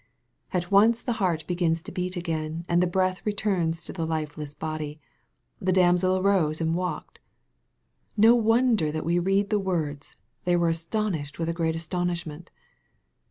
At once the heart begins to beat again, and the breath returns to the lifeless body. " The damsel arose and walked." No wonder that we read the words, "they were astonished with a great astonishment."